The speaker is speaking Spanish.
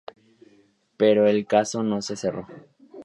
Pero el caso no se cerró.